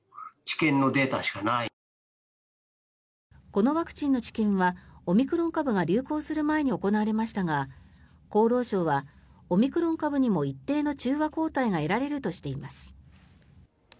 このワクチンの治験はオミクロン株が流行する前に行われましたが厚労省はオミクロン株にも一定の中和抗体が得られるとしています。